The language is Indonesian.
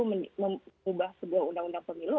mengubah sebuah undang undang pemilu